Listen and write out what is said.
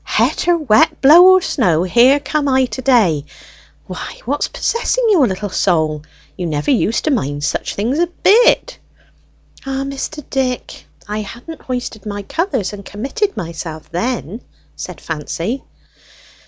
Het or wet, blow or snow, here come I to day! Why, what's possessing your little soul? You never used to mind such things a bit." "Ah, Mr. Dick, I hadn't hoisted my colours and committed myself then!" said Fancy.